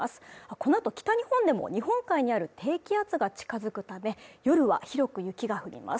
このあと北日本でも日本海にある低気圧が近づくため夜は広く雪が降ります